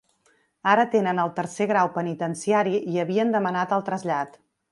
Ara tenen el tercer grau penitenciari i havien demanat el trasllat.